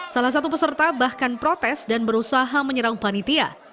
salah satu peserta bahkan protes dan berusaha menyerang panitia